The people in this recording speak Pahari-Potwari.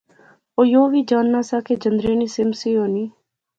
او یو وی جاننا سا کہ جندرے نی سم سی ہونی